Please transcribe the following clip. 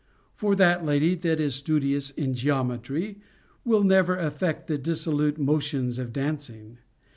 For that lady that is studious in geometry will never affect the dissolute motions of dancing.